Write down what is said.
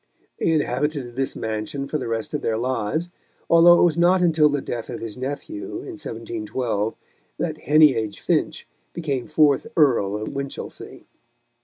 They inhabited this mansion for the rest of their lives, although it was not until the death of his nephew, in 1712, that Heneage Finch became fourth Earl of Winchilsea.